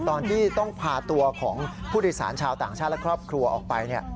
ตอนที่ต้องพาตัวของผู้โดยสารชาวต่างชาติและครอบครัวออกไป